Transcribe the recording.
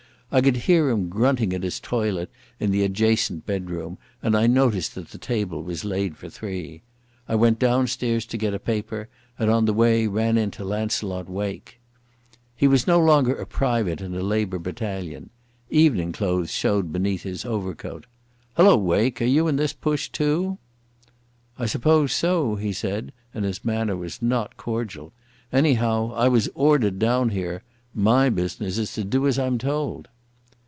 I could hear him grunting at his toilet in the adjacent bedroom, and I noticed that the table was laid for three. I went downstairs to get a paper, and on the way ran into Launcelot Wake. He was no longer a private in a Labour Battalion. Evening clothes showed beneath his overcoat. "Hullo, Wake, are you in this push too?" "I suppose so," he said, and his manner was not cordial. "Anyhow I was ordered down here. My business is to do as I am told."